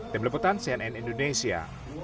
demleputan cnn indonesia